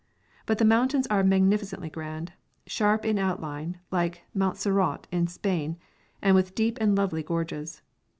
But the mountains are magnificently grand, sharp in outline like Montserrat in Spain, and with deep and lovely gorges.